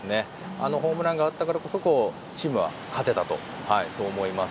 あのホームランがあったからこそチームは勝てたと思います。